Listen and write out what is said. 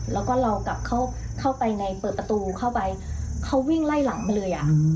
แล้วก็เรากลับเข้าไปในเปิดประตูเข้าไปเขาวิ่งไล่หลังมาเลยอ่ะ